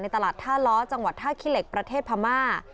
ตลาดท่าล้อจังหวัดท่าขี้เหล็กประเทศพม่า